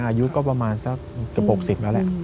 อายุก็ประมาณสักเกือบ๖๐แล้วแหละ